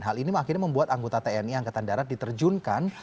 hal ini akhirnya membuat anggota tni angkatan darat diterjunkan